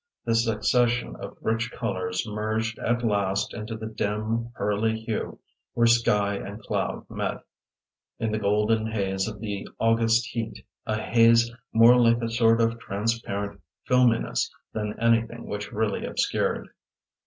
The succession of rich colours merged at last into the dim, pearly hue where sky and cloud met, in the golden haze of the August heat, a haze more like a sort of transparent filminess than anything which really obscured.